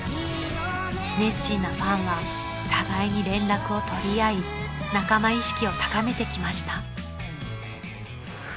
［熱心なファンは互いに連絡を取り合い仲間意識を高めてきました］